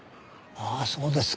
ああそうですか。